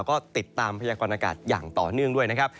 ก็ติดตามพยากรณากาศอย่างต่อเนื่องด้วยนะครับ